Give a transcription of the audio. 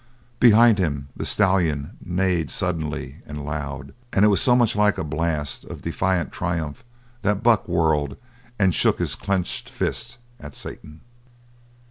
Behind him the stallion neighed suddenly and loud, and it was so much like a blast of defiant triumph that Buck whirled and shook his clenched fist at Satan.